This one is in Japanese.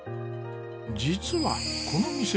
実はこの店